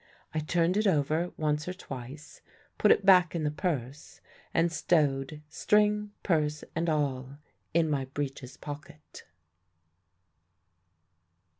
I turned it over once or twice, put it back in the purse, and stowed string, purse, and all in my breeches' pocket.